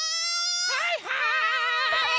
はいはい！